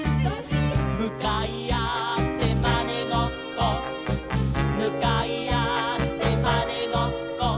「むかいあってまねごっこ」「むかいあってまねごっこ」